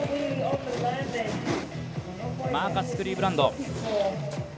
マーカス・クリーブランド。